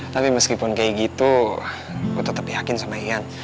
tapi meskipun kayak gitu gue tetep yakin sama ian